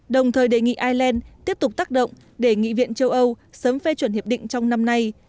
đồng thời đề nghị ireland tiếp tục tác động để nghị viện châu âu sớm phê chuẩn hiệp định trong năm nay